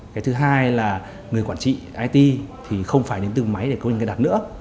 cái thứ hai là người quản trị it thì không phải đến từ máy để cố hình cài đặt nữa